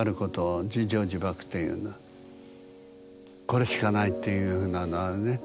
これしかないっていうふうなのはね